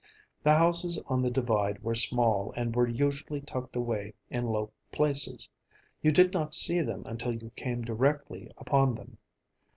The houses on the Divide were small and were usually tucked away in low places; you did not see them until you came directly upon them.